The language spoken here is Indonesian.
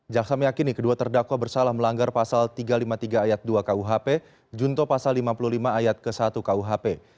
jaksa meyakini kedua terdakwa bersalah melanggar pasal tiga ratus lima puluh tiga ayat dua kuhp junto pasal lima puluh lima ayat ke satu kuhp